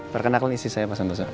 perkenalkan isi saya pak santoso